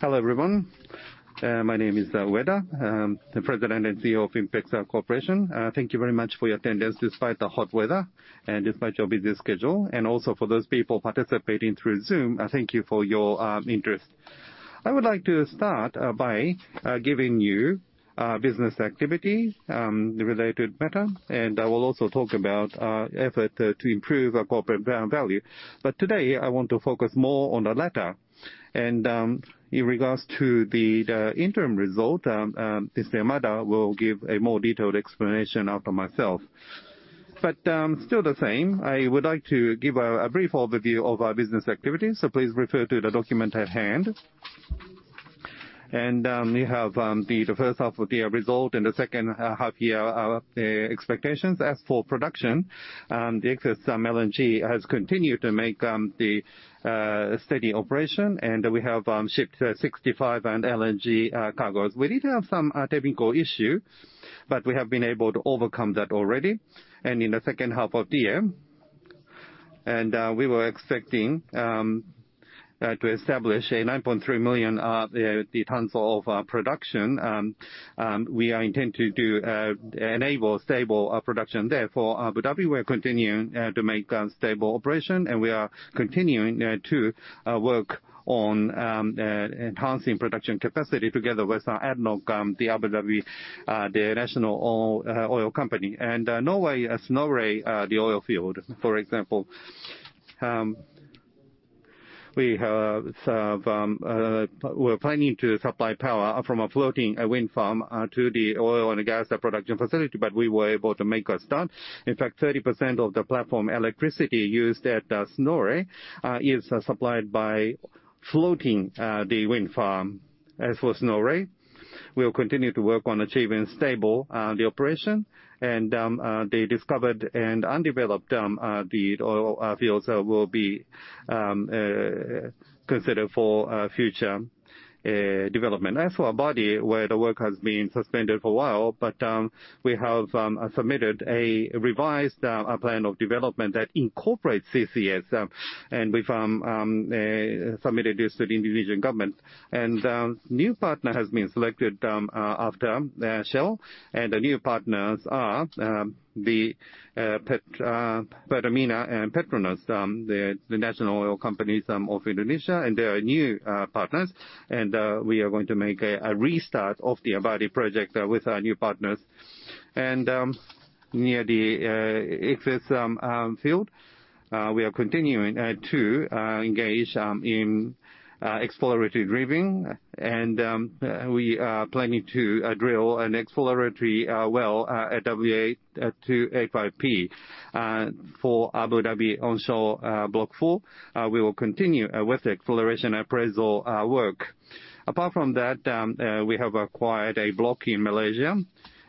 Hello, everyone. My name is Ueda, I'm the President and CEO of INPEX Corporation. Thank you very much for your attendance, despite the hot weather and despite your busy schedule, also for those people participating through Zoom, thank you for your interest. I would like to start by giving you business activity the related matter, and I will also talk about effort to improve our corporate brand value. Today, I want to focus more on the latter. In regards to the interim result, Mr. Yamada will give a more detailed explanation after myself. Still the same, I would like to give a brief overview of our business activities, so please refer to the document at hand. We have the first half of the year result and the second half year expectations. As for production, the Ichthys LNG has continued to make steady operation, and we have shipped 65 LNG cargos. We did have some technical issue, but we have been able to overcome that already. In the second half of the year, we were expecting to establish 9.3 million tons of production. We are intend to do enable stable production. Abu Dhabi, we're continuing to make stable operation, and we are continuing to work on enhancing production capacity together with ADNOC, the Abu Dhabi National Oil Company. And, uh, Norway, as Snorre, uh, the oil field, for example, um, we have, uh, um, uh, we're planning to supply power from a floating, uh, wind farm, uh, to the oil and gas production facility, but we were able to make a start. In fact, thirty percent of the platform electricity used at, uh, Snorre, uh, is supplied by floating, uh, the wind farm. As for Snorre, we'll continue to work on achieving stable, uh, the operation, and, um, uh, they discovered and undeveloped, um, uh, the oil, uh, fields, uh, will be, um, uh, considered for, uh, future, uh, development. As for Abadi, where the work has been suspended for a while, but, um, we have, um, submitted a revised, uh, plan of development that incorporates CCS, um, and we've, um, um, uh, submitted this to the Indonesian government. New partner has been selected after Shell, and the new partners are Pertamina and PETRONAS, the national oil companies of Indonesia, and they are new partners. We are going to make a restart of the Abadi project with our new partners. Near the Ichthys field, we are continuing to engage in exploratory drilling, and we are planning to drill an exploratory well at WA-532-P. For Abu Dhabi onshore, Block Four, we will continue with the exploration appraisal work. Apart from that, we have acquired a block in Malaysia,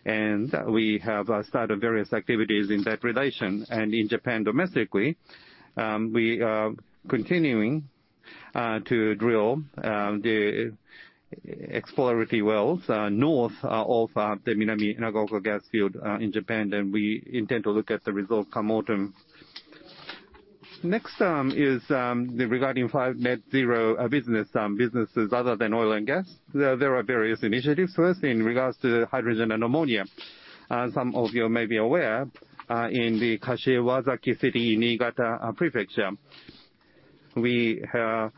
and we have started various activities in that relation. In Japan, domestically, we are continuing to drill the exploratory wells north of the Minami-Nagaoka gas field in Japan, and we intend to look at the result come autumn. Next is regarding five net zero businesses other than oil and gas. There, there are various initiatives. First, in regards to hydrogen and ammonia, some of you may be aware, in the Kashiwazaki city, Niigata, prefecture, we have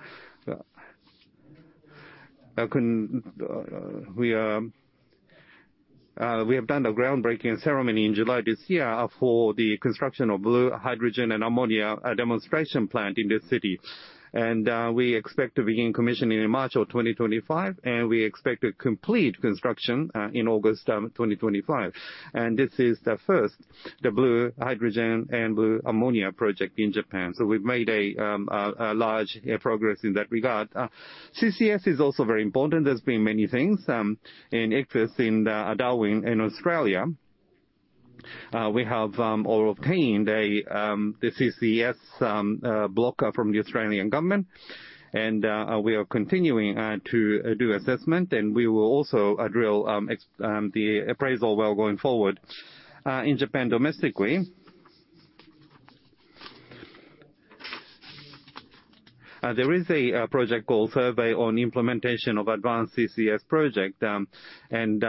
done the groundbreaking ceremony in July this year for the construction of blue hydrogen and ammonia, a demonstration plant in the city. We expect to begin commissioning in March of 2025, and we expect to complete construction in August 2025. This is the first, the blue hydrogen and blue ammonia project in Japan. We've made a large progress in that regard. CCS is also very important. There's been many things in excess in the Darwin, in Australia. We have all obtained a the CCS block from the Australian government, and we are continuing to do assessment, and we will also drill the appraisal well going forward. In Japan domestically, there is a project called Survey on Implementation of Advanced CCS Project, and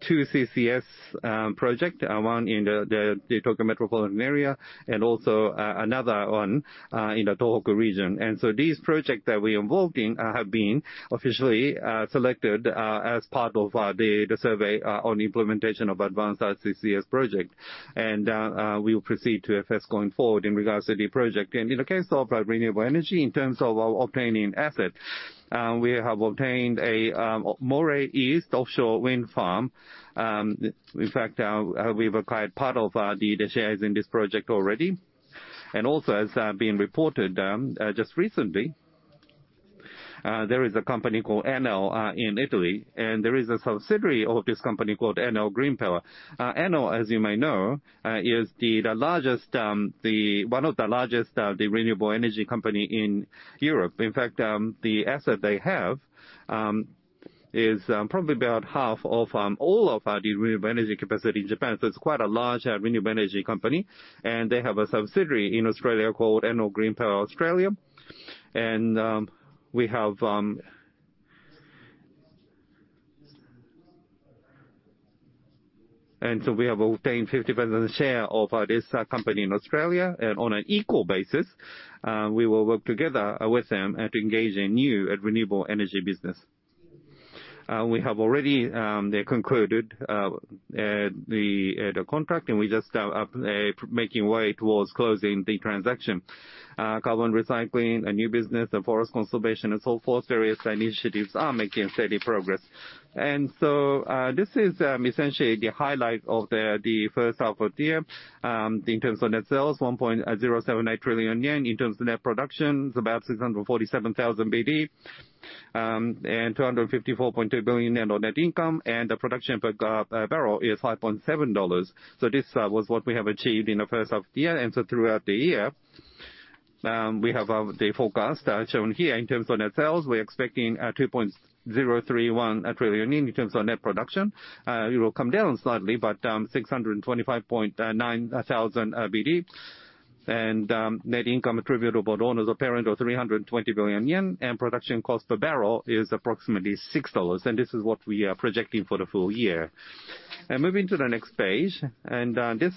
two CCS project, one in the Tokyo Metropolitan area and also another one in the Tohoku region. These projects that we involved in have been officially selected as part of the Survey on Implementation of Advanced CCS Project. We will proceed to a phase going forward in regards to the project. In the case of renewable energy, in terms of obtaining asset, we have obtained a Moray East offshore wind farm. In fact, we've acquired part of the shares in this project already. Also, as being reported just recently, there is a company called Enel in Italy, and there is a subsidiary of this company called Enel Green Power. Enel, as you may know, is the, the largest, one of the largest renewable energy company in Europe. In fact, the asset they have is probably about half of all of our renewable energy capacity in Japan. It's quite a large renewable energy company, and they have a subsidiary in Australia called Enel Green Power Australia. We have obtained 50% share of this company in Australia, and on an equal basis, we will work together with them and to engage in new and renewable energy business. We have already, they concluded the contract, and we just making way towards closing the transaction. Carbon recycling, a new business and forest conservation and so forth, various initiatives are making steady progress. This is essentially the highlight of the first half of the year. In terms of net sales, 1.078 trillion yen. In terms of net production, it's about 647,000 b/d, and 254.2 billion yen on net income, and the production per barrel is $5.7. This was what we have achieved in the first half of the year. Throughout the year, we have the forecast shown here. In terms of net sales, we're expecting 2.031 trillion. In terms of net production, it will come down slightly, but 625.9 thousand b/d. Net income attributable to owners of parent or 320 billion yen, and production cost per barrel is approximately $6, and this is what we are projecting for the full year. Moving to the next page, this is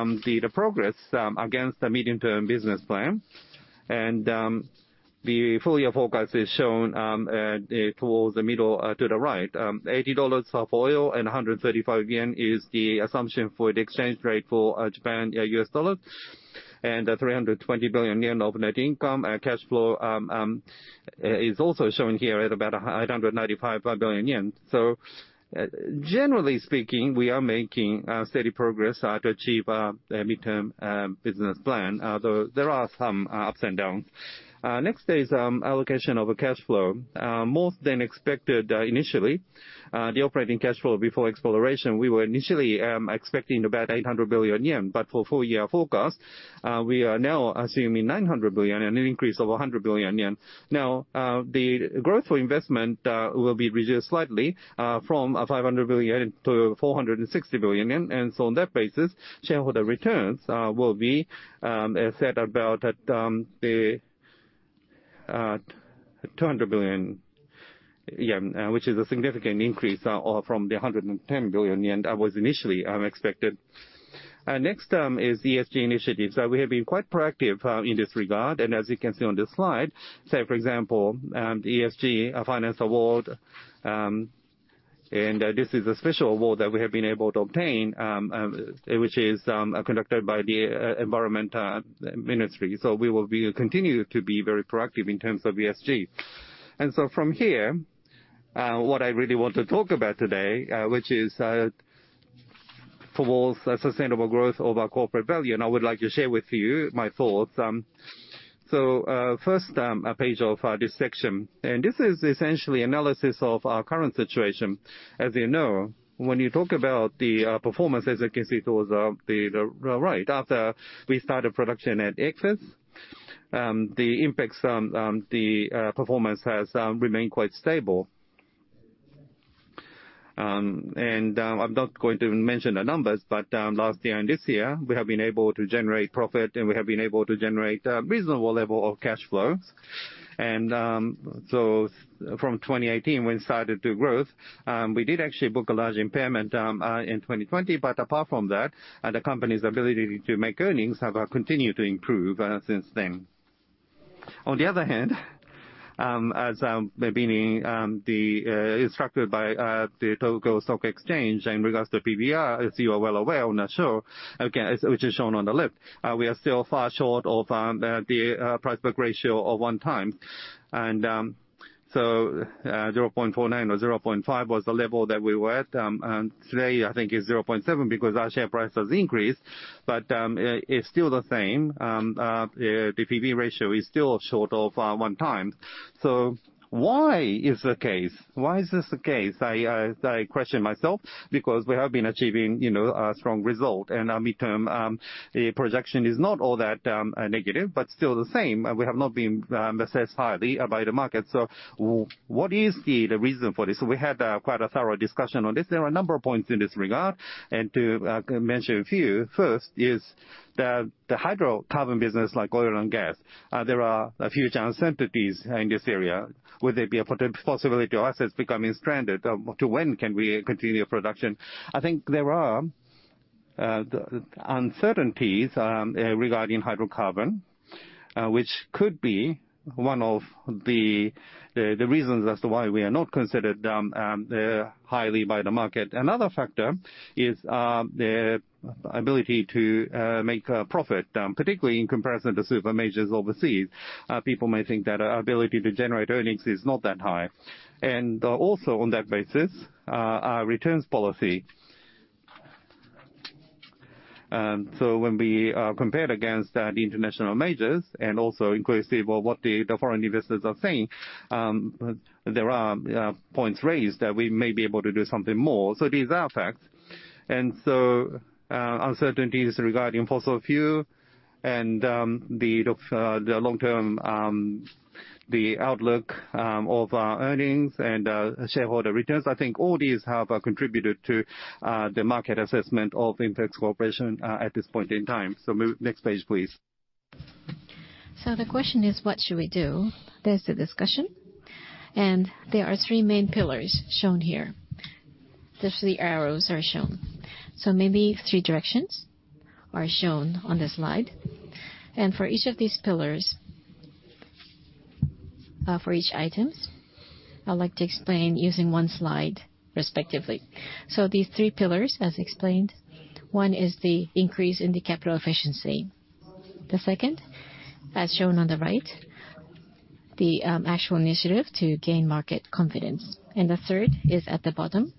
the progress against the medium-term business plan. The full year forecast is shown towards the middle to the right. $80 of oil and 135 yen is the assumption for the exchange rate for Japan U.S. dollar, and 320 billion yen of net income and cash flow is also shown here at about 195 billion yen. Generally speaking, we are making steady progress to achieve the midterm business plan, although there are some ups and downs. Next is allocation of cash flow. More than expected initially, the operating cash flow before exploration, we were initially expecting about 800 billion yen. For full year forecast, we are now assuming 900 billion and an increase of 100 billion yen. The growth for investment will be reduced slightly from 500 billion to 460 billion yen. On that basis, shareholder returns will be set about at the 200 billion yen, which is a significant increase from the 110 billion yen that was initially expected. Next is ESG initiatives. We have been quite proactive in this regard, and as you can see on this slide, say, for example, ESG Finance Award, and this is a special award that we have been able to obtain, which is conducted by the Ministry of the Environment. We will continue to be very proactive in terms of ESG. From here, what I really want to talk about today, which is towards a sustainable growth of our corporate value, and I would like to share with you my thoughts. First page of this section, and this is essentially analysis of our current situation. As you know, when you talk about the performance, as you can see, towards the right, after we started production at Ichthys, the INPEX performance has remained quite stable. I'm not going to mention the numbers, but last year and this year, we have been able to generate profit, and we have been able to generate a reasonable level of cash flow. From 2018, we started to growth. We did actually book a large impairment in 2020, but apart from that, the company's ability to make earnings have continued to improve since then. On the other hand, as maybe, the instructed by the Tokyo Stock Exchange in regards to PBR, as you are well aware, I'm not sure, again, as which is shown on the left, we are still far short of the price-book ratio of 1 time. 0.49 or 0.5 was the level that we were at, and today, I think, is 0.7 because our share price has increased, but it's still the same. The PBR ratio is still short of one time. Why is the case? Why is this the case? I question myself, because we have been achieving, you know, a strong result, and our midterm projection is not all that negative, but still the same. We have not been assessed highly by the market. So what is the reason for this? We had quite a thorough discussion on this. There are a number of points in this regard, and to mention a few, first is the hydrocarbon business, like oil and gas. There are a few uncertainties in this area. Would there be a possibility of assets becoming stranded? To when can we continue production? I think there are the uncertainties regarding hydrocarbon, which could be one of the reasons as to why we are not considered highly by the market. Another factor is the ability to make a profit, particularly in comparison to super majors overseas. People may think that our ability to generate earnings is not that high. Also on that basis, our returns policy. When we compared against the international majors and also inquisitive of what the foreign investors are saying, there are points raised that we may be able to do something more. These are facts. Uncertainties regarding fossil fuel and the long-term outlook of our earnings and shareholder returns, I think all these have contributed to the market assessment of INPEX Corporation at this point in time. Next page, please. The question is, what should we do? There's the discussion, and there are three main pillars shown here. There three arrows are shown. Maybe three directions are shown on the slide. For each of these pillars, for each items, I'd like to explain using one slide respectively. These three pillars, as explained, one is the increase in the capital efficiency. The second, as shown on the right, the actual initiative to gain market confidence. The third is at the bottom,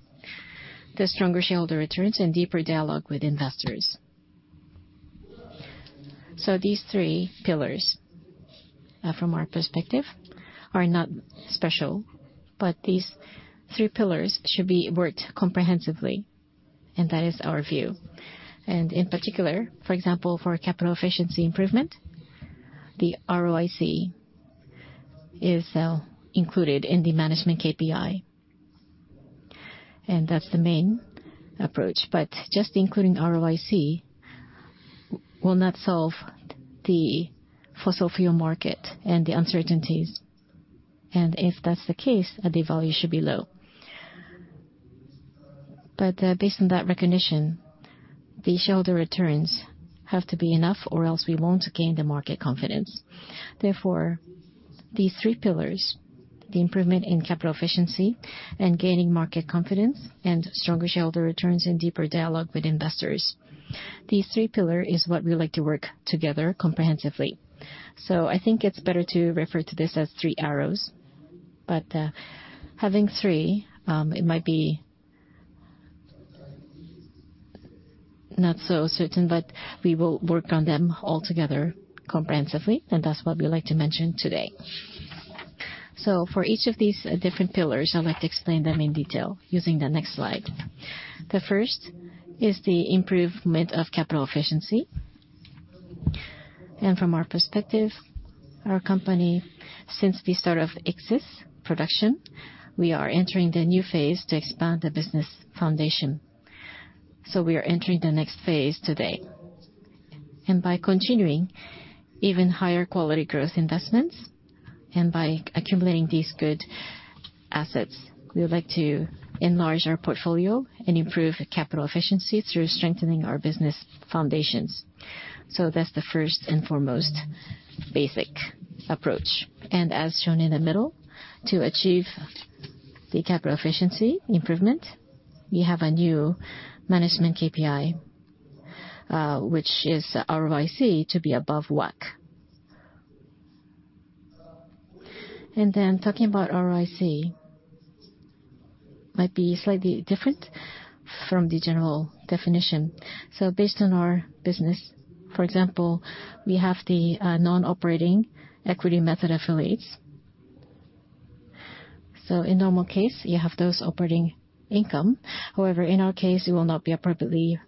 the stronger shareholder returns and deeper dialogue with investors. These three pillars, from our perspective, are not special, but these three pillars should be worked comprehensively, and that is our view. In particular, for example, for capital efficiency improvement, the ROIC is included in the management KPI, and that's the main approach. Just including ROIC will not solve the fossil fuel market and the uncertainties, and if that's the case, the value should be low. Based on that recognition, the shareholder returns have to be enough, or else we won't gain the market confidence. Therefore, these three pillars, the improvement in capital efficiency and gaining market confidence, and stronger shareholder returns and deeper dialogue with investors, these three pillar is what we like to work together comprehensively. I think it's better to refer to this as three arrows. Having three, it might be not so certain, but we will work on them all together comprehensively, and that's what we'd like to mention today. For each of these different pillars, I'd like to explain them in detail using the next slide. The first is the improvement of capital efficiency. From our perspective, our company, since the start of Ichthys production, we are entering the new phase to expand the business foundation. We are entering the next phase today. By continuing even higher quality growth investments, and by accumulating these good assets, we would like to enlarge our portfolio and improve capital efficiency through strengthening our business foundations. That's the first and foremost basic approach. As shown in the middle, to achieve the capital efficiency improvement, we have a new management KPI, which is ROIC, to be above WACC. Talking about ROIC, might be slightly different from the general definition. Based on our business, for example, we have the non-operating equity method affiliates. In normal case, you have those operating income. However, in our case, it will not be appropriately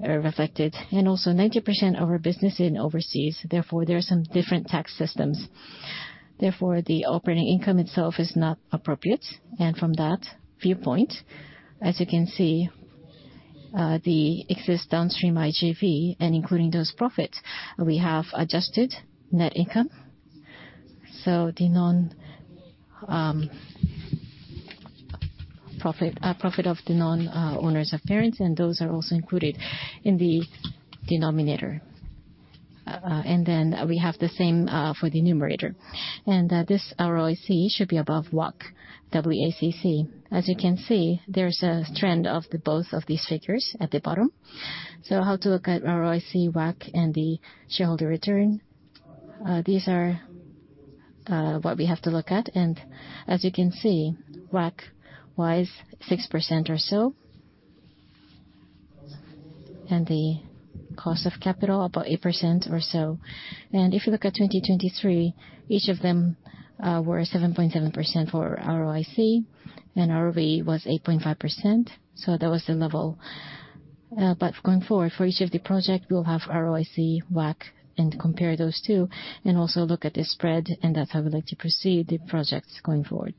reflected. Also, 90% of our business is in overseas, therefore, there are some different tax systems. Therefore, the operating income itself is not appropriate. From that viewpoint, as you can see, the Ichthys Downstream IJV and including those profits, we have adjusted net income. So the non, profit, profit of the non, owners of parents, and those are also included in the denominator. Then we have the same for the numerator. This ROIC should be above WACC, W-A-C-C. As you can see, there's a trend of the both of these figures at the bottom. How to look at ROIC, WACC, and the shareholder return? These are what we have to look at. As you can see, WACC was 6% or so, and the cost of capital, about 8% or so. If you look at 2023, each of them were 7.7% for ROIC, and ROE was 8.5%, so that was the level. Going forward, for each of the project, we'll have ROIC, WACC, and compare those two, and also look at the spread, and that's how we'd like to proceed the projects going forward.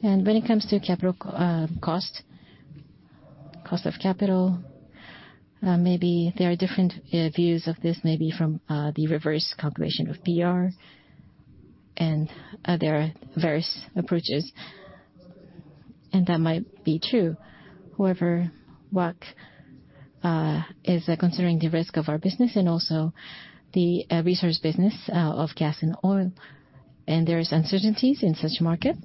When it comes to capital cost, cost of capital, maybe there are different views of this, maybe from the reverse calculation of PBR, and there are various approaches, and that might be true. However, WACC is considering the risk of our business and also the resource business of gas and oil. There is uncertainties in such market,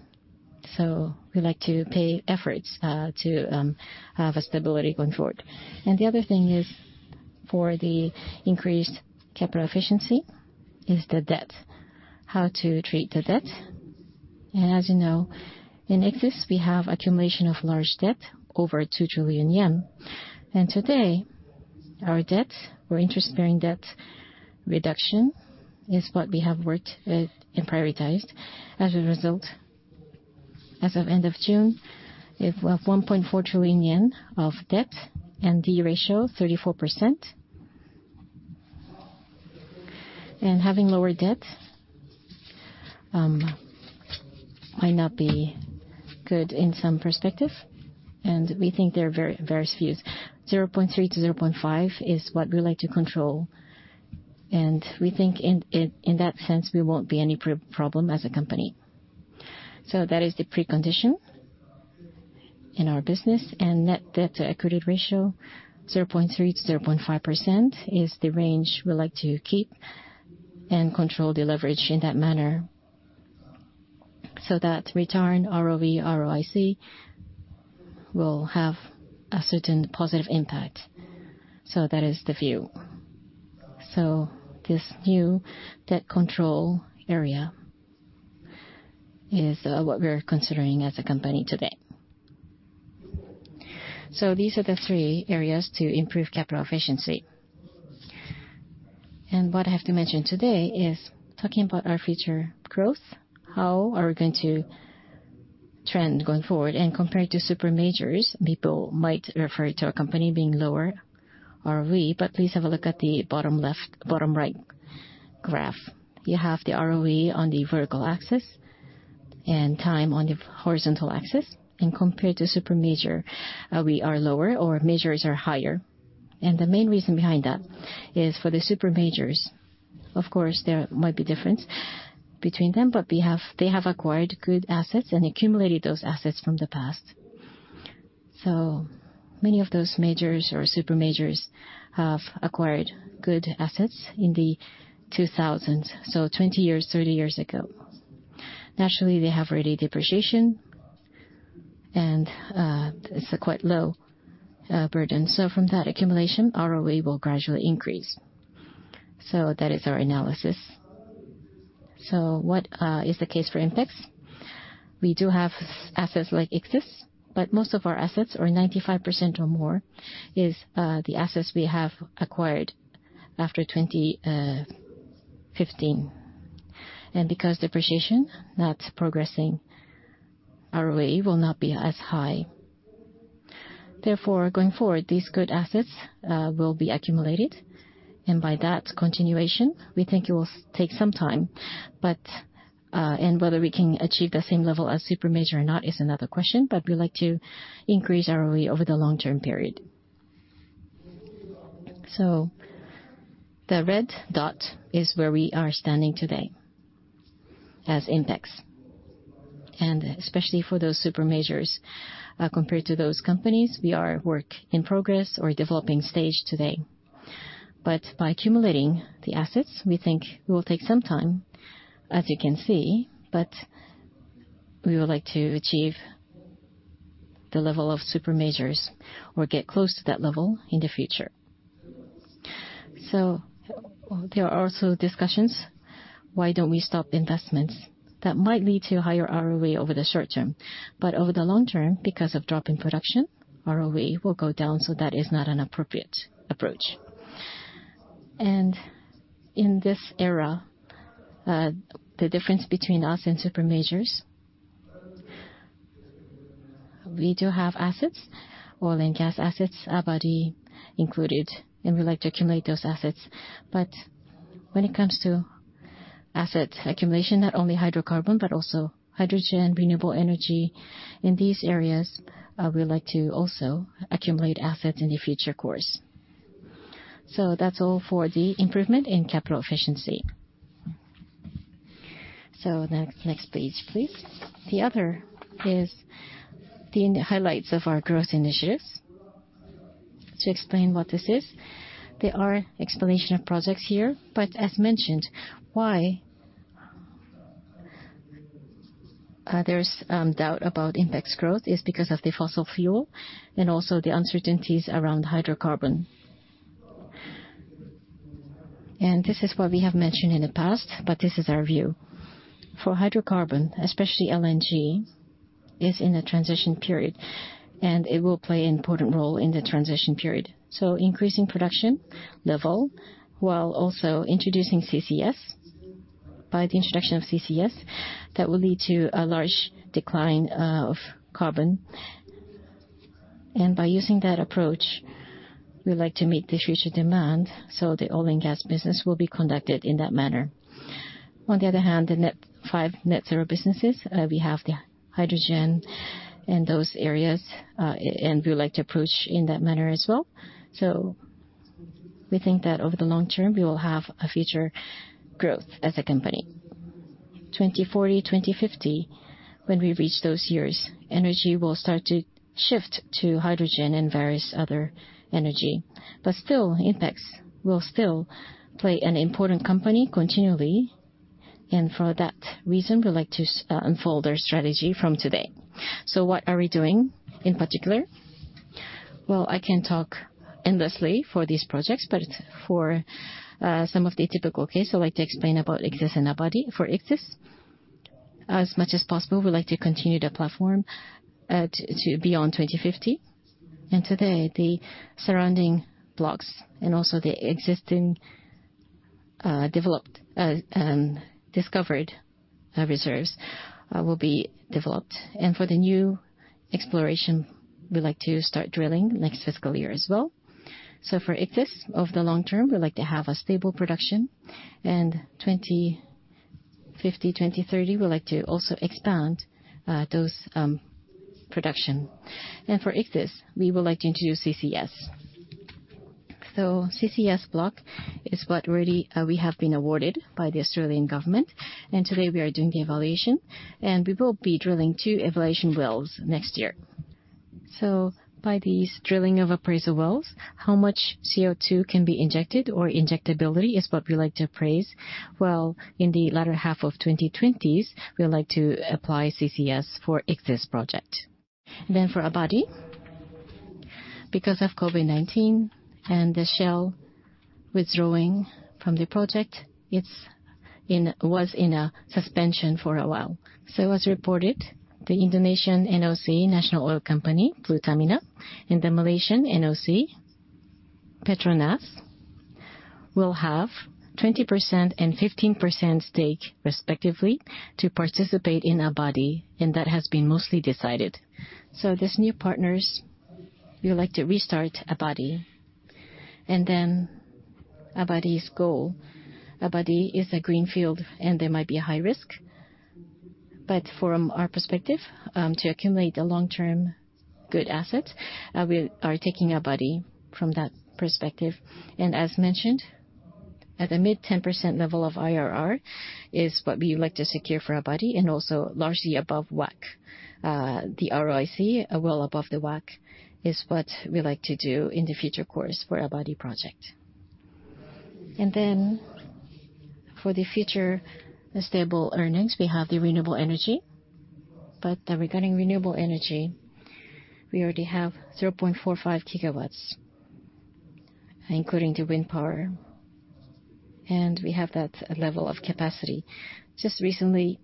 so we like to pay efforts to have a stability going forward. The other thing is, for the increased capital efficiency is the debt, how to treat the debt. As you know, in Ichthys, we have accumulation of large debt, over 2 trillion yen. Our debt or interest-bearing debt reduction is what we have worked with and prioritized. As a result, as of end of June, we have 1.4 trillion yen of debt, and D/E Ratio 34%. Having lower debt might not be good in some perspective, and we think there are very various views. 0.3-0.5 is what we like to control, and we think in that sense, we won't be any problem as a company. That is the precondition in our business, and net debt-to-equity ratio, 0.3%-0.5% is the range we like to keep and control the leverage in that manner, so that return ROE, ROIC will have a certain positive impact. That is the view. This new debt control area is what we are considering as a company today. These are the three areas to improve capital efficiency. What I have to mention today is talking about our future growth, how are we going to trend going forward? Compared to super majors, people might refer to our company being lower ROE, but please have a look at the bottom left-- bottom right graph. You have the ROE on the vertical axis and time on the horizontal axis, compared to super major, we are lower, or majors are higher. The main reason behind that is for the super majors, of course, there might be difference between them, but we have-- they have acquired good assets and accumulated those assets from the past. Many of those majors or super majors have acquired good assets in the 2000s, so 20 years, 30 years ago. Naturally, they have already depreciation, it's a quite low burden. From that accumulation, ROE will gradually increase. That is our analysis. What is the case for INPEX? We do have assets like Ichthys, but most of our assets, or 95% or more, is the assets we have acquired after 2015. Because depreciation, that's progressing, ROE will not be as high. Therefore, going forward, these good assets will be accumulated, and by that continuation, we think it will take some time. Whether we can achieve the same level as super major or not is another question, but we like to increase ROE over the long-term period. The red dot is where we are standing today as INPEX, and especially for those super majors, compared to those companies, we are work in progress or developing stage today. By accumulating the assets, we think it will take some time, as you can see, but we would like to achieve the level of super majors or get close to that level in the future. There are also discussions, why don't we stop investments? That might lead to higher ROE over the short term, but over the long term, because of drop in production, ROE will go down, so that is not an appropriate approach. In this era, the difference between us and super majors, we do have assets, oil and gas assets, Abadi included, and we like to accumulate those assets. When it comes to asset accumulation, not only hydrocarbon, but also hydrogen, renewable energy, in these areas, we like to also accumulate assets in the future course. That's all for the improvement in capital efficiency. Next, next page, please. The other is the highlights of our growth initiatives. To explain what this is, there are explanation of projects here, but as mentioned, why there is doubt about INPEX growth is because of the fossil fuel and also the uncertainties around hydrocarbon. This is what we have mentioned in the past, but this is our view. For hydrocarbon, especially LNG, is in a transition period, and it will play an important role in the transition period. Increasing production level while also introducing CCS. By the introduction of CCS, that will lead to a large decline of carbon, and by using that approach, we like to meet the future demand, so the oil and gas business will be conducted in that manner. On the other hand, the five net zero businesses, we have the hydrogen in those areas, and we like to approach in that manner as well. We think that over the long term, we will have a future growth as a company. 2040, 2050, when we reach those years, energy will start to shift to hydrogen and various other energy. Still, INPEX will still play an important company continually, and for that reason, we like to unfold our strategy from today. What are we doing in particular? Well, I can talk endlessly for these projects, but for some of the typical case, I'd like to explain about Ichthys and Abadi. For Ichthys, as much as possible, we'd like to continue the platform to beyond 2050. Today, the surrounding blocks and also the existing developed discovered reserves will be developed. For the new exploration, we'd like to start drilling next fiscal year as well. For Ichthys, over the long term, we'd like to have a stable production. 2050, 2030, we'd like to also expand those production. For Ichthys, we would like to introduce CCS. CCS block is what already we have been awarded by the Australian government, and today we are doing the evaluation, and we will be drilling two evaluation wells next year. By these drilling of appraisal wells, how much CO2 can be injected or injectability is what we like to appraise. Well, in the latter half of the 2020s, we would like to apply CCS for Ichthys project. For Abadi, because of COVID-19 and the Shell withdrawing from the project, was in a suspension for a while. As reported, the Indonesian NOC, National Oil Company, Pertamina, and the Malaysian NOC, Petronas, will have 20% and 15% stake, respectively, to participate in Abadi, and that has been mostly decided. These new partners, we would like to restart Abadi. Abadi's goal. Abadi is a greenfield, and there might be a high risk, but from our perspective, to accumulate the long-term good assets, we are taking Abadi from that perspective. As mentioned, at the mid-10% level of IRR is what we would like to secure for Abadi, and also largely above WACC. The ROIC, well above the WACC, is what we like to do in the future course for Abadi project. For the future stable earnings, we have the renewable energy. Regarding renewable energy, we already have 0.45 GW, including the wind power, and we have that level of capacity. Just recently,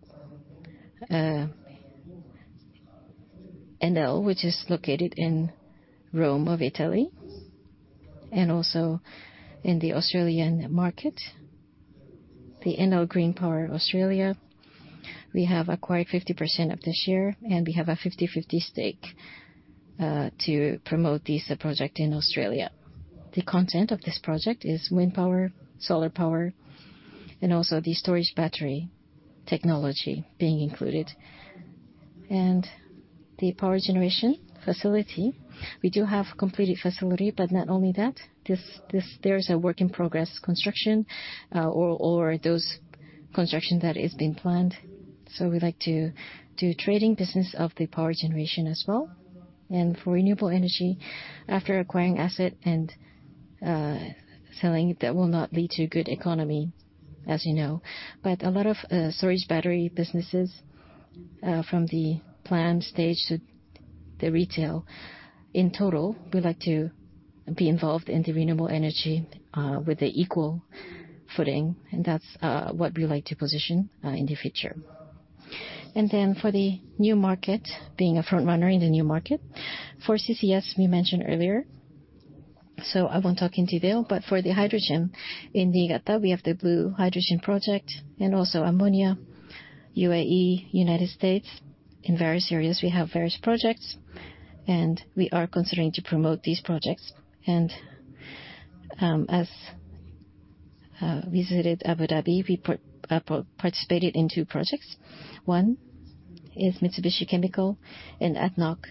Enel, which is located in Rome of Italy and also in the Australian market, Enel Green Power Australia, we have acquired 50% of the share, and we have a 50/50 stake to promote this project in Australia. The content of this project is wind power, solar power, and also the storage battery technology being included. The power generation facility, we do have completed facility, but not only that, there is a work in progress construction or those construction that is being planned. We like to do trading business of the power generation as well. For renewable energy, after acquiring asset and selling, that will not lead to good economy, as you know. A lot of storage battery businesses, from the plan stage to the retail, in total, we like to be involved in the renewable energy with the equal footing, and that's what we like to position in the future. For the new market, being a front runner in the new market. For CCS, we mentioned earlier, so I won't talk in detail, but for the hydrogen, in Niigata, we have the blue hydrogen project, and also ammonia, UAE, United States. In various areas, we have various projects, and we are considering to promote these projects. As visited Abu Dhabi, we participated in two projects. One is Mitsubishi Chemical and ADNOC,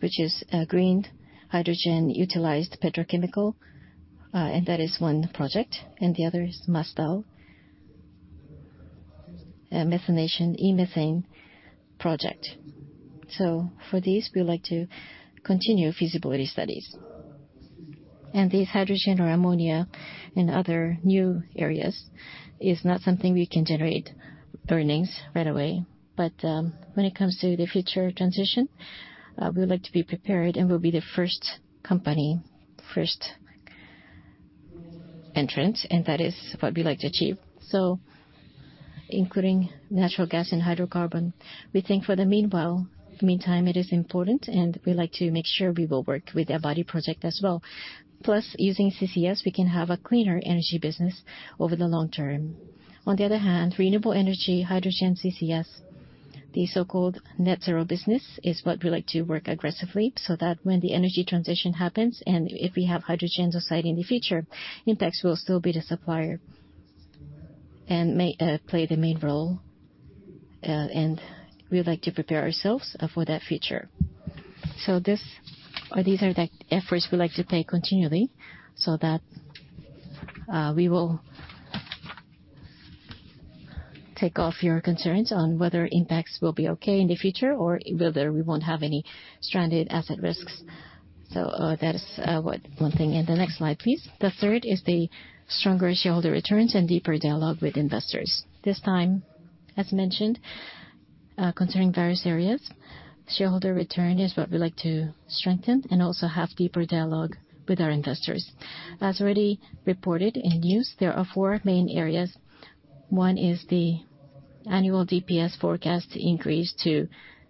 which is a green hydrogen-utilized petrochemical, and that is one project, and the other is Masdar methanation e-methane project. For these, we would like to continue feasibility studies. These hydrogen or ammonia and other new areas is not something we can generate earnings right away, but when it comes to the future transition, we would like to be prepared, and we'll be the first company, first entrant, and that is what we like to achieve. Including natural gas and hydrocarbon, we think for the meantime, it is important, and we like to make sure we will work with Abadi project as well. Plus, using CCS, we can have a cleaner energy business over the long term. On the other hand, renewable energy, hydrogen, CCS, the so-called net zero business, is what we like to work aggressively, so that when the energy transition happens and if we have hydrogen society in the future, INPEX will still be the supplier and may play the main role, and we would like to prepare ourselves for that future. This, or these are the efforts we like to take continually, so that we will take off your concerns on whether INPEX will be okay in the future or whether we won't have any stranded asset risks. That is one thing. The next slide, please. The third is the stronger shareholder returns and deeper dialogue with investors. This time, as mentioned, considering various areas, shareholder return is what we like to strengthen, and also have deeper dialogue with our investors. As already reported in news, there are four main areas. One is the annual DPS forecast increase to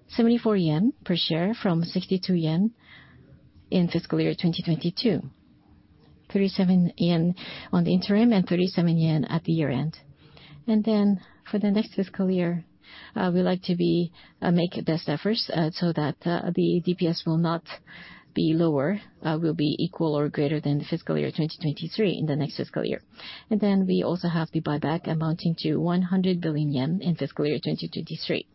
74 yen per share from 62 yen in fiscal year 2022. 37 yen on the interim, and 37 yen at the year-end. For the next fiscal year, we'd like to be make best efforts so that the DPS will not be lower, will be equal or greater than the fiscal year 2023 in the next fiscal year. We also have the buyback amounting to 100 billion yen in fiscal year 2023.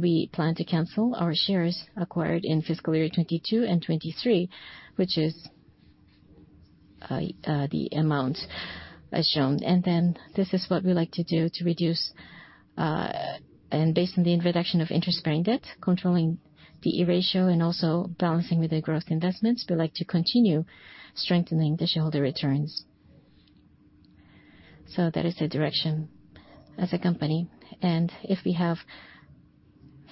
We plan to cancel our shares acquired in fiscal year 2022 and 2023, which is the amount as shown. This is what we like to do to reduce... Based on the reduction of interest-bearing debt, controlling the D/E Ratio, also balancing with the growth investments, we'd like to continue strengthening the shareholder returns. That is the direction as a company. If we have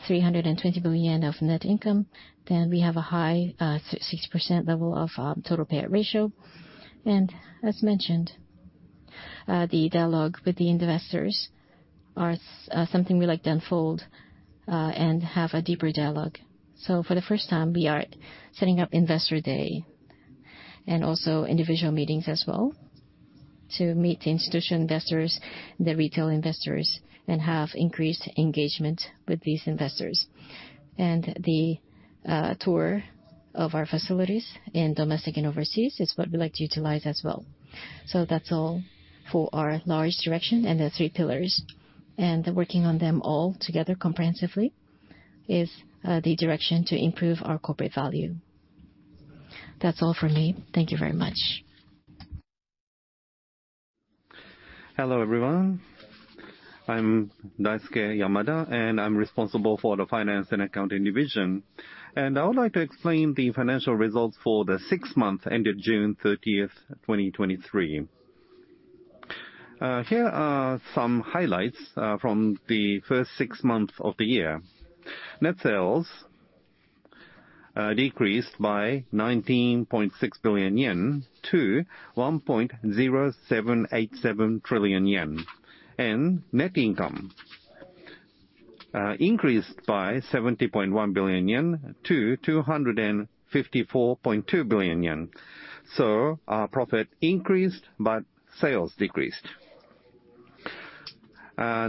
320 billion of net income, then we have a high 60% level of total payout ratio. As mentioned, the dialogue with the investors are something we like to unfold and have a deeper dialogue. For the first time, we are setting up Investor Day, also individual meetings as well, to meet the institutional investors, the retail investors, and have increased engagement with these investors. The tour of our facilities in domestic and overseas is what we'd like to utilize as well. That's all for our large direction and the three pillars. Working on them all together comprehensively is the direction to improve our corporate value. That's all for me. Thank you very much. Hello, everyone. I'm Daisuke Yamada, I'm responsible for the Finance and Accounting division. I would like to explain the financial results for the six months ended June 30th, 2023. Here are some highlights from the first six months of the year. Net sales decreased by 19.6 billion yen to 1.0787 trillion yen. Net income increased by 70.1 billion yen to 254.2 billion yen. Our profit increased, but sales decreased.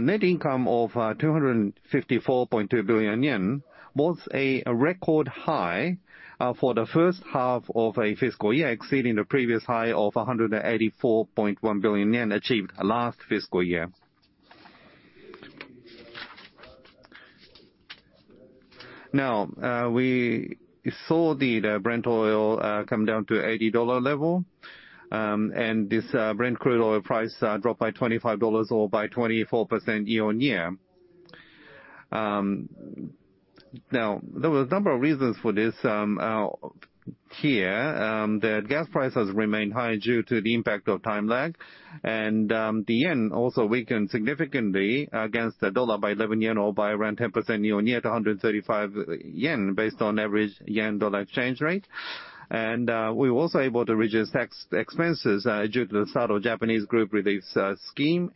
Net income of 254.2 billion yen was a record high for the first half of a fiscal year, exceeding the previous high of 184.1 billion yen achieved last fiscal year. We saw the Brent oil come down to $80 level. This Brent crude oil price dropped by $25 or by 24% year-on-year. There were a number of reasons for this. Here, the gas prices remained high due to the impact of time lag, the yen also weakened significantly against the dollar by 11 yen or by around 10% year-on-year to 135 yen, based on average yen-dollar exchange rate. We were also able to reduce tax expenses due to the start of Japanese group relief scheme.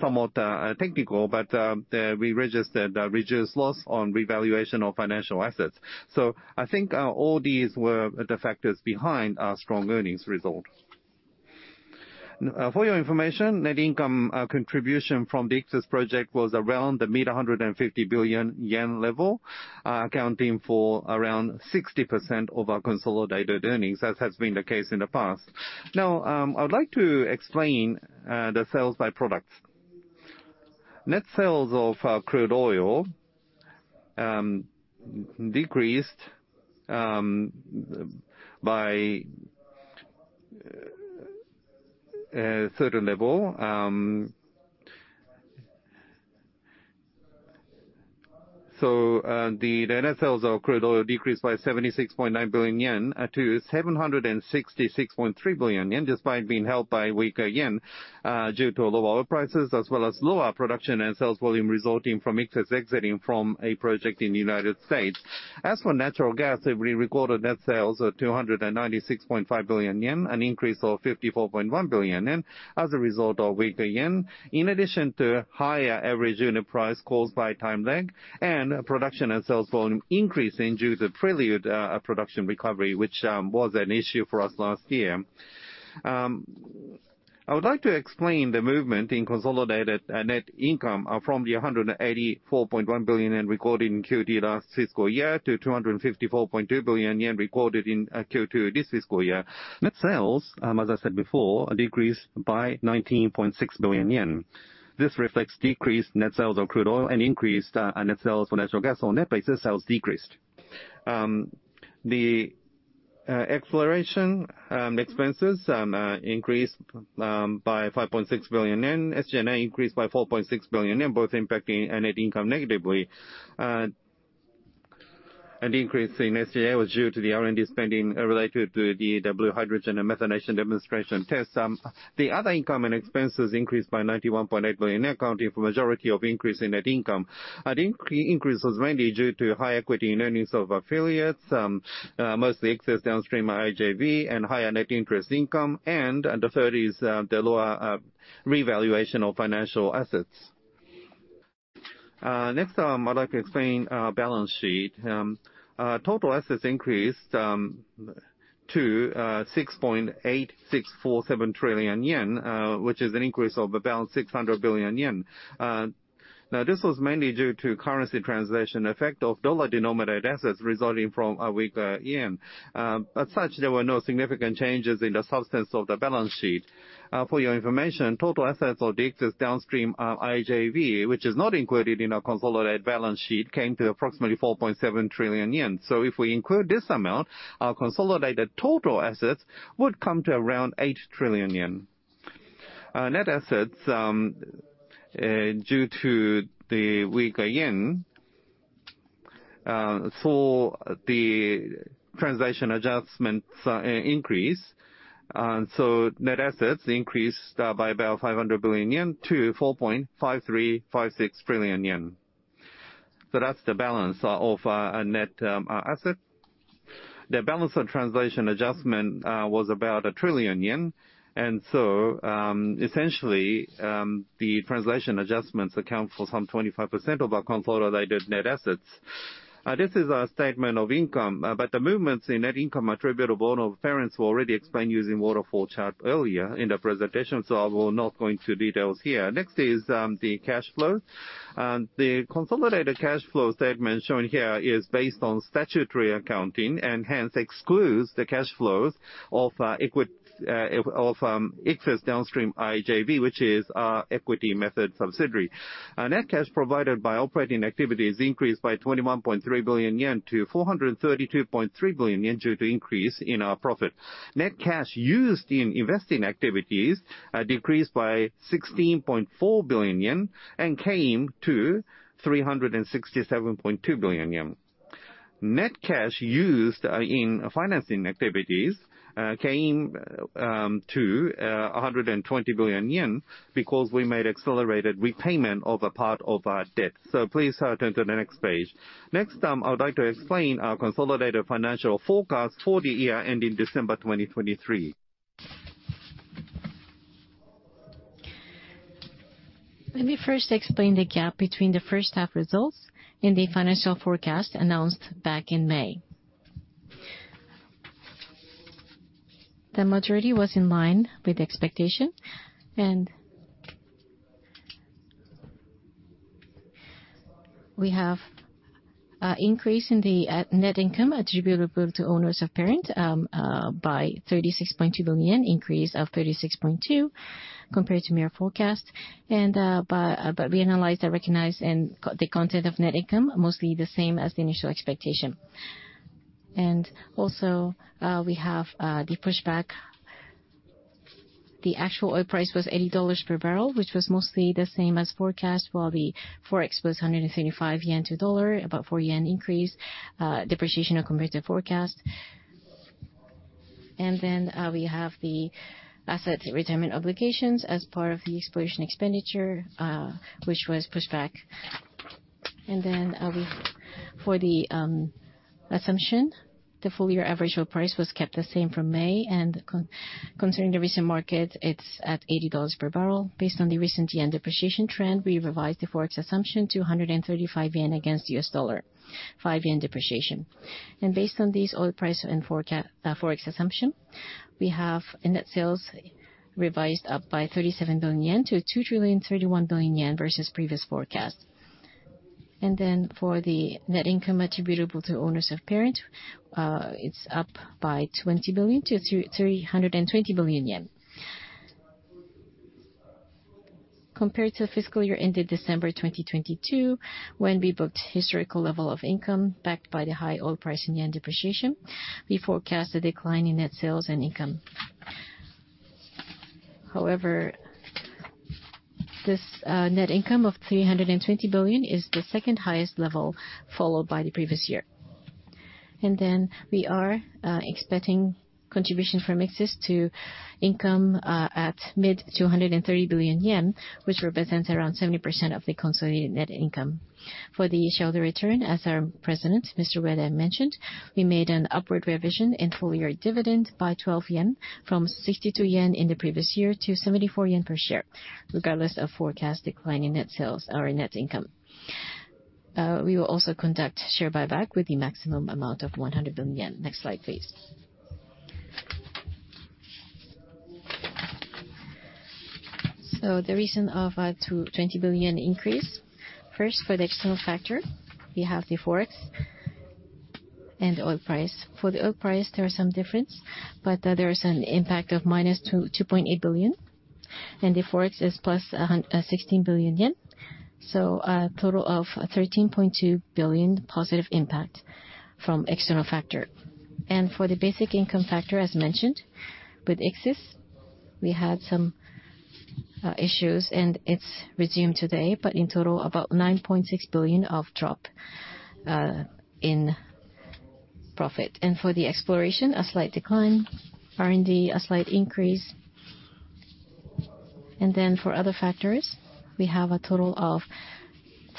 Somewhat technical, we registered a reduced loss on revaluation of financial assets. I think all these were the factors behind our strong earnings result. For your information, net income contribution from the Ichthys project was around the mid-JPY 150 billion level, accounting for around 60% of our consolidated earnings, as has been the case in the past. I would like to explain the sales by products. Net sales of crude oil decreased by a certain level. The net sales of crude oil decreased by 76.9 billion yen to 766.3 billion yen, despite being helped by weaker yen due to low oil prices, as well as lower production and sales volume resulting from Ichthys exiting from a project in the United States. As for natural gas, we recorded net sales of 296.5 billion yen, an increase of 54.1 billion yen as a result of weaker yen, in addition to higher average unit price caused by time lag, and production and sales volume increasing due to Prelude production recovery, which was an issue for us last year. I would like to explain the movement in consolidated net income from the 184.1 billion yen recorded in Q2 last fiscal year to 254.2 billion yen recorded in Q2 this fiscal year. Net sales, as I said before, decreased by 19.6 billion yen. This reflects decreased net sales of crude oil and increased net sales for natural gas. On net basis, sales decreased. The exploration expenses increased by 5.6 billion yen. SG&A increased by 4.6 billion yen, both impacting net income negatively. An increase in SG&A was due to the R&D spending related to the blue hydrogen and methanation demonstration tests. The other income and expenses increased by 91.8 billion, accounting for majority of increase in net income. Increase was mainly due to high equity in earnings of affiliates, mostly excess Downstream IJV, and higher net interest income, and the third is the lower revaluation of financial assets. Next, I'd like to explain our balance sheet. Total assets increased to 6.8647 trillion yen, which is an increase of about 600 billion yen. Now, this was mainly due to currency translation effect of dollar-denominated assets resulting from a weaker yen. As such, there were no significant changes in the substance of the balance sheet. For your information, total assets of the excess downstream IJV, which is not included in our consolidated balance sheet, came to approximately 4.7 trillion yen. If we include this amount, our consolidated total assets would come to around 8 trillion yen. Net assets, due to the weaker yen, saw the translation adjustments increase. Net assets increased by about 500 billion yen to 4.5356 trillion yen. That's the balance of our net asset. The balance of translation adjustment was about 1 trillion yen. Essentially, the translation adjustments account for some 25% of our consolidated net assets. This is a statement of income, but the movements in net income attributable to owners of parents were already explained using waterfall chart earlier in the presentation, so I will not go into details here. Next is the cash flow. The consolidated cash flow statement shown here is based on statutory accounting, and hence excludes the cash flows of excess downstream IJV, which is our equity method subsidiary. Net cash provided by operating activities increased by 21.3 billion yen to 432.3 billion yen, due to increase in our profit. Net cash used in investing activities decreased by 16.4 billion yen and came to 367.2 billion yen. Net cash used in financing activities came to 120 billion yen, because we made accelerated repayment of a part of our debt. Please turn to the next page. Next, I would like to explain our consolidated financial forecast for the year ending December 2023. Let me first explain the gap between the first half results and the financial forecast announced back in May. The majority was in line with expectation. We have increase in the net income attributable to owners of parent by 36.2 billion, increase of 36.2 billion, compared to our forecast. We analyzed and recognized the content of net income, mostly the same as the initial expectation. We have the pushback. The actual oil price was $80 per barrel, which was mostly the same as forecast, while the Forex was 135 yen to the dollar, about 4 yen increase depreciation compared to forecast. We have the asset retirement obligations as part of the exploration expenditure, which was pushed back. For the assumption, the full year average oil price was kept the same from May, considering the recent market, it's at $80 per barrel. Based on the recent yen depreciation trend, we revised the Forex assumption to 135 yen against the US dollar, 5 yen depreciation. Based on these oil price and forecast, Forex assumption, we have a net sales revised up by 37 billion yen to 2,031 billion yen versus previous forecast. For the net income attributable to owners of parent, it's up by 20 billion to 320 billion yen. Compared to fiscal year ended December 2022, when we booked historical level of income, backed by the high oil price and yen depreciation, we forecast a decline in net sales and income. However, this net income of 320 billion is the second highest level, followed by the previous year. We are expecting contribution from excess to income at mid to 130 billion yen, which represents around 70% of the consolidated net income. For the shareholder return, as our president, Mr. Ueda, mentioned, we made an upward revision in full year dividend by 12 yen, from 62 yen in the previous year to 74 yen per share, regardless of forecast decline in net sales or in net income. We will also conduct share buyback with the maximum amount of 100 billion yen. Next slide, please. The reason of 20 billion increase: First, for the external factor, we have the Forex and oil price. For the oil price, there is some difference, but there is an impact of -2.8 billion, and the Forex is plus 16 billion yen, so a total of 13.2 billion positive impact from external factor. For the basic income factor, as mentioned, with excess, we had some issues, and it's resumed today, but in total, about 9.6 billion of drop in profit. For the exploration, a slight decline. R&D, a slight increase. For other factors, we have a total of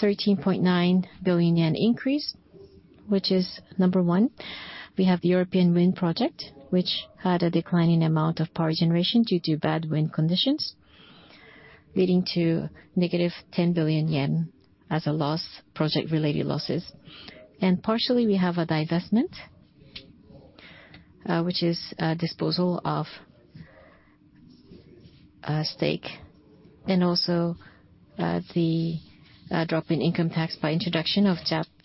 13.9 billion yen increase, which is number one. We have the European wind project, which had a decline in amount of power generation due to bad wind conditions, leading to -10 billion yen as a loss, project-related losses. Partially, we have a divestment, which is a disposal of a stake, and also, the drop in income tax by introduction of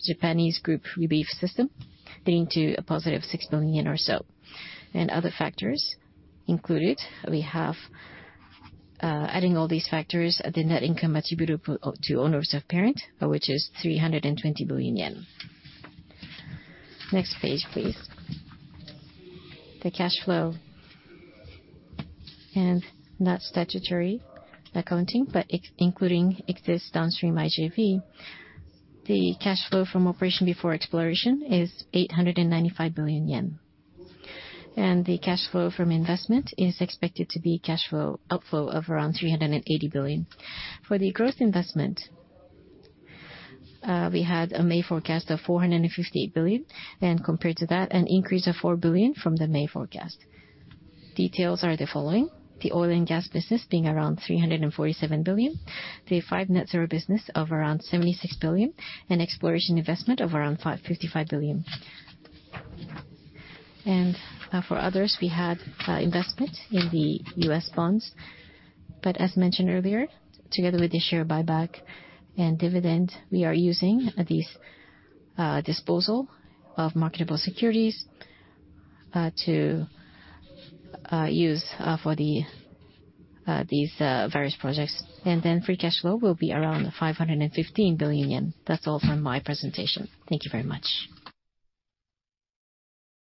Japanese group relief system, leading to a positive 6 billion or so. Other factors included, we have, adding all these factors, the net income attributable to owners of parent, which is 320 billion yen. Next page, please. The cash flow, not statutory accounting, but including excess downstream IJV. The cash flow from operation before exploration is 895 billion yen, and the cash flow from investment is expected to be cash flow outflow of around 380 billion. For the growth investment, we had a May forecast of 458 billion, and compared to that, an increase of 4 billion from the May forecast. Details are the following: the oil and gas business being around 347 billion, the five net zero businesses of around 76 billion, and exploration investment of around 55 billion. For others, we had investment in the U.S. bonds, but as mentioned earlier, together with the share buyback and dividend, we are using this disposal of marketable securities, to use for these various projects. Then free cash flow will be around 515 billion yen. That's all from my presentation. Thank you very much.